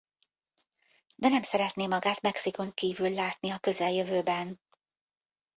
De nem szeretné magát Mexikón kívül látni a közeljövőben.